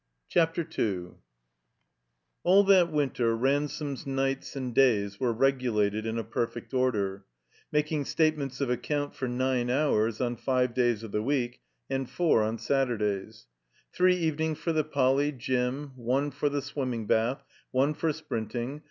I CHAPTER II ALL that winter Ransome's nights and days were 1% regulated in a perfect order — making state ments of accxamt for nine hours on five days of the week and four on Saturdays. Three evenings for the Poly. Gym. One for the Swimming Bath. One for sprinting.